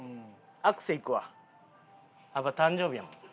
やっぱ誕生日やもん。